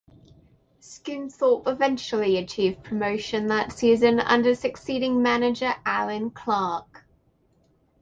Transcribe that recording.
Scunthorpe eventually achieved promotion that season under succeeding manager Allan Clarke.